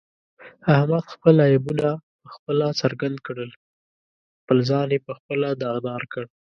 احمد خپل عیبونه په خپله څرګند کړل، خپل ځان یې په خپله داغدارکړ.